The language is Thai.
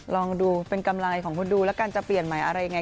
ลองดูเป็นกำไรของคุณดูแล้วกันจะเปลี่ยนใหม่อะไรยังไง